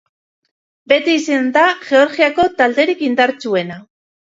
Beti izan da Georgiako talderik indartsuena.